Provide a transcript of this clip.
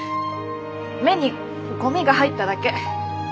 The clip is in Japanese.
目にごみが入っただけ！